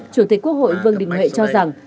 chủ tịch quốc hội vương đình huệ cho rằng